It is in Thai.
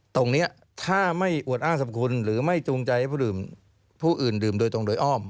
ตรงนี้ถ้าไม่อวดอ้างสรรพคุณหรือไม่จูงใจให้ผู้อื่นดื่มโดยตรงโดยอ้อม